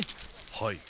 はい。